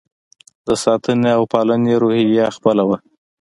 د ساتنې او پالنې روحیه خپله وه.